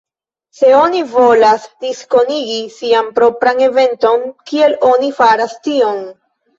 Se oni volas diskonigi sian propran eventon, kiel oni faras tion?